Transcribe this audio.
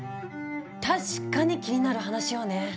確かに気になる話よね。